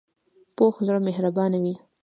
پوخ زړه مهربانه وي